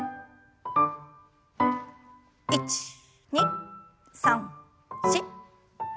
１２３４。